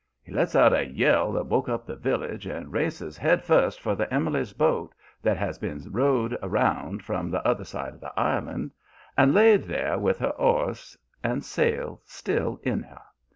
He lets out a yell that woke up the village, and races head first for the Emily's boat that had been rowed around from the other side of the island, and laid there with her oars and sail still in her.